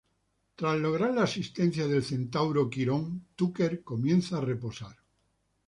Tras lograr la asistencia del centauro Quirón, Tucker comienza a reposar.